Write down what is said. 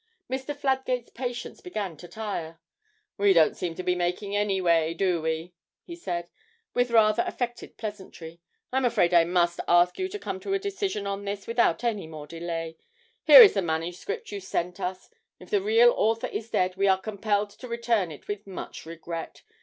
Mr. Fladgate's patience began to tire. 'We don't seem to be making any way, do we?' he said, with rather affected pleasantry. 'I'm afraid I must ask you to come to a decision on this without any more delay. Here is the manuscript you sent us. If the real author is dead we are compelled to return it with much regret.